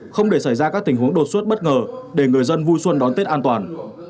không để xảy ra các tình huống đột xuất bất ngờ để người dân vui xuân đón tết an toàn